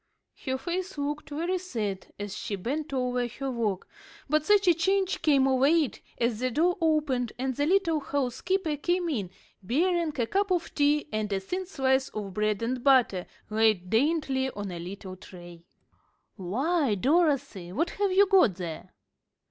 Her face looked very sad as she bent over her work, but such a change came over it as the door opened and the little housekeeper came in, bearing a cup of tea and a thin slice of bread and butter, laid daintily on a little tray. [Illustration: "I'm not tired now."] "Why, Dorothy, what have you got there?"